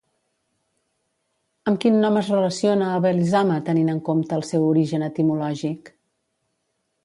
Amb quin nom es relaciona a Belisama tenint en compte el seu origen etimològic?